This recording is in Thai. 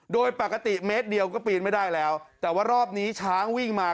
โดยปกติเมตรเดียวก็ปีนไม่ได้แล้วแต่ว่ารอบนี้ช้างวิ่งมา